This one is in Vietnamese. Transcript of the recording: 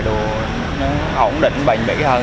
đồ ổn định bệnh bệnh hơn